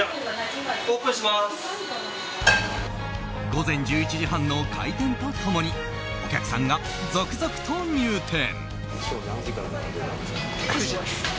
午前１１時半の開店と共にお客さんが続々と入店。